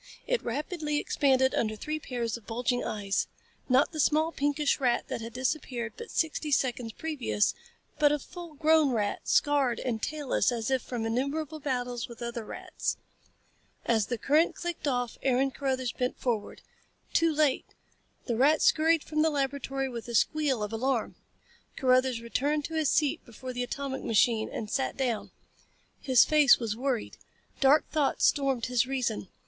It rapidly expanded under three pairs of bulging eyes not the small, pinkish rat that had disappeared but sixty seconds previous, but a full grown rat, scarred and tailless as if from innumerable battles with other rats. As the current clicked off Aaron Carruthers bent forward. Too late. The rat scurried from the laboratory with a squeal of alarm. Carruthers returned to his seat before the atomic machine and sat down. His face was worried. Dark thoughts stormed his reason.